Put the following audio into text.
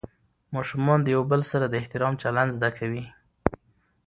ماشومان له یو بل سره د احترام چلند زده کوي